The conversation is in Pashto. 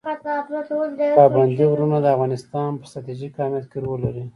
پابندي غرونه د افغانستان په ستراتیژیک اهمیت کې رول لري.